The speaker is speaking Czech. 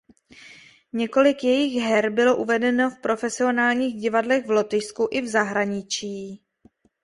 Několik jejích her bylo uvedeno v profesionálních divadlech v Lotyšsku i v zahraničí.